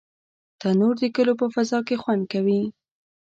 تنور د کلیو په فضا کې خوند کوي